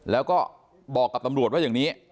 แล้วก็บอกกับตำรวจว่าอย่างนี้